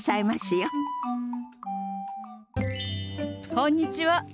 こんにちは。